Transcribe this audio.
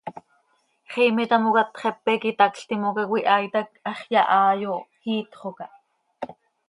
Xiime tamocat xepe quih itacl timoca cöihaait hac hax yahai oo, iitxo cah.